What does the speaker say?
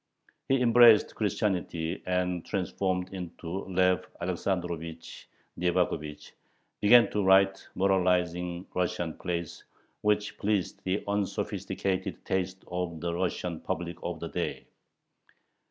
He embraced Christianity, and, transformed into Lev Alexandrovich Nyevakhovich, began to write moralizing Russian plays, which pleased the unsophisticated taste of the Russian public of the day.